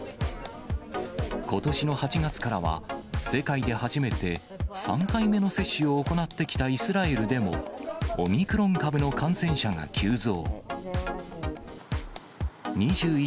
ことしの８月からは、世界で初めて、３回目の接種を行ってきたイスラエルでも、オミクロン株の感染者が急増。